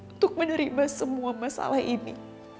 untuk menerima semua masalah ini